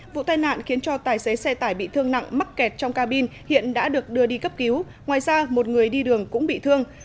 vụ tai nạn khiến cho tài xế xe tải bị thương nặng mắc kẹt trong cabin hiện đã được đưa đi cấp cứu ngoài ra một người đi đường cũng bị thương